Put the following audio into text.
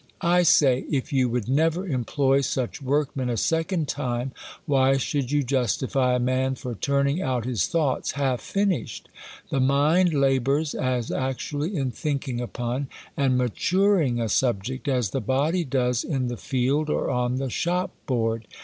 I sfiy, if you would never employ such workmen, a second time, why should you justify a man for turning out liis thoughts half iinished ? The mind labours as actually in thinking upon, and maturing a subject, as the body does in the field, or on the shop board.